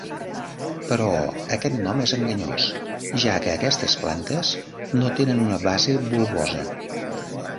Però aquest nom és enganyós, ja que aquestes plantes no tenen una base bulbosa.